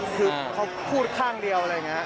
คือเขาพูดข้างเดียวอะไรอย่างนี้